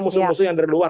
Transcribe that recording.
musuh musuh yang dari luar